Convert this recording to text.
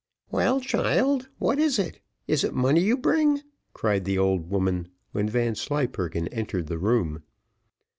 "Well, child, what is it is it money you bring?" cried the old woman, when Vanslyperken entered the room.